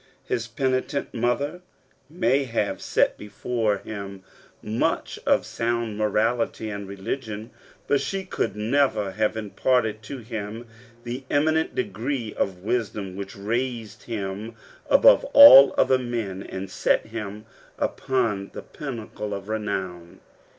His penitent mother may have sat before him much of sound morality and religion, but she could never have imparted to him the eminent degree of wisdom which raised him above all other men and set him upon the pinnacle of renown.